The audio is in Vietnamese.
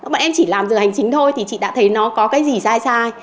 bọn em chỉ làm giờ hành chính thôi thì chị đã thấy nó có cái gì sai sai